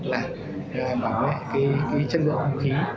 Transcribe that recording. bảo vệ chất lượng không khí